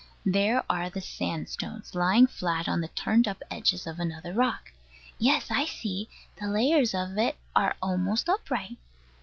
There are the sandstones, lying flat on the turned up edges of another rock. Yes; I see. The layers of it are almost upright.